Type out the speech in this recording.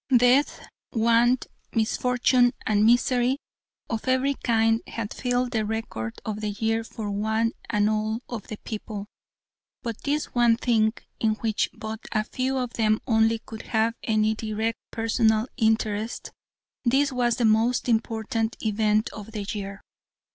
Death, want, misfortune and misery of every kind had filled the record of the year for one and all of the people, but this one thing in which but a few of them only could have any direct personal interest, this was "the most important event of the year!"